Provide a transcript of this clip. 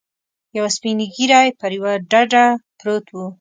یو سپین ږیری پر یوه ډډه پروت و.